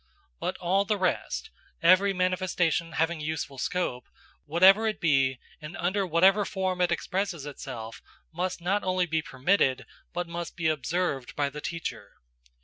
But all the rest,–every manifestation having a useful scope,–whatever it be, and under whatever form it expresses itself, must not only be permitted, but must be observed by the teacher.